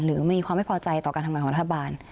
หรือมีความไม่พอใจต่อการทำงานของรัฐบาล